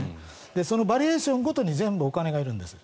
そのバリエーションごとに全部お金がいるんです。